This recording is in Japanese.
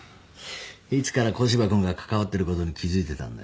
いつから古芝君が関わってることに気付いてたんだよ。